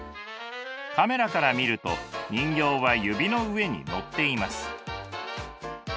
カメラから見ると人形は指の上にのっています。